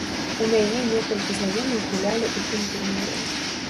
У мяне некалькі знаёмых гулялі ў тым турніры.